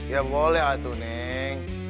ya boleh atu neng